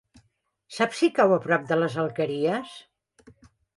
Saps si cau a prop de les Alqueries?